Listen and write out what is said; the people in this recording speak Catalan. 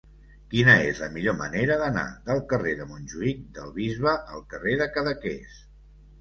Quina és la millor manera d'anar del carrer de Montjuïc del Bisbe al carrer de Cadaqués?